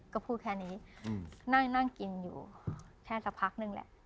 ก็พูดแค่นี้นั่งกินอยู่แค่สักพักนึงแหละ